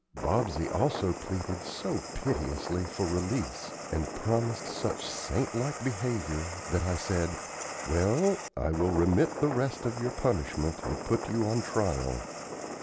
Bobsey also pleaded so piteously for release, and promised such saint like behavior, that I said: "Well, I will remit the rest of your punishment and put you on trial.